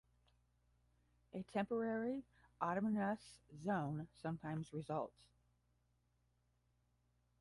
A Temporary Autonomous Zone sometimes results.